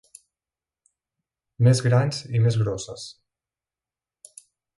Més grans i més grosses.